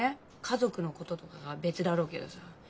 家族のこととかは別だろうけどさ。